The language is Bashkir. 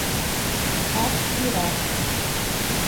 ҠАРТ ПИРАТ